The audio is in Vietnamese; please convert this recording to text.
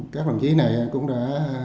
các bằng chí này cũng đã